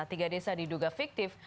tiga desa diduga fiktif